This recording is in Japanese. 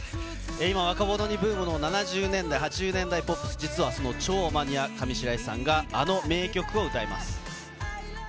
今、若者にブームの７０年代、８０年代ポップス、実はその超マニア、上白石さんが、あの名曲を歌います。